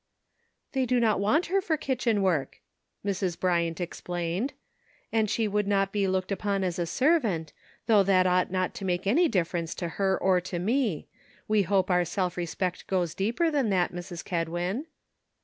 "They do not want her for kitchen work," Mrs. Bryant explained, "and she would not be looked upon as a servant, though that ought not to make any difference to her or to me ; we hope our self respect goes deeper than that, Mrs. Kedwin."